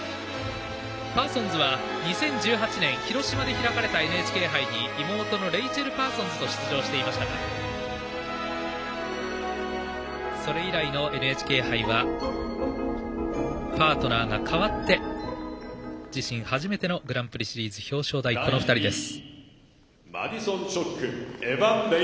パーソンズは、２０１８年に広島で開かれたＮＨＫ杯で妹のレイチェル・パーソンズと出場していましたがそれ以来のＮＨＫ杯はパートナーが代わって自身初めてのグランプリシリーズ表彰台のこの２人です。